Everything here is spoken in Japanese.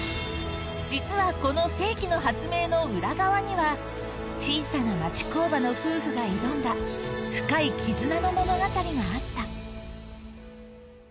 実はこの世紀の発明の裏側には、小さな町工場の夫婦が挑んだ、深い絆の物語があった。